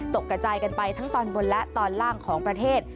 กระจายกันไปทั้งตอนบนและตอนล่างของประเทศ